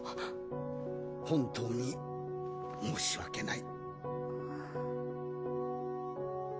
本当に申し訳ない。